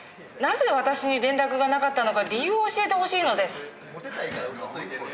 なぜ私に連絡がなかったのか理由を教えてほしいのです！